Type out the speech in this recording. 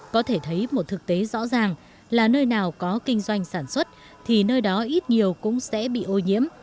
có thể thấy một thực tế rõ ràng là nơi nào có kinh doanh sản xuất thì nơi đó ít nhiều cũng sẽ bị ô nhiễm